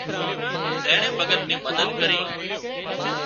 زينڻي بڳت ني مدد ڪري